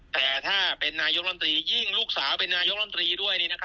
แต่ถ้าเป็นนายกรรมตรียิ่งลูกสาวเป็นนายกรรมตรีด้วย